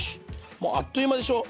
もうあっという間でしょう？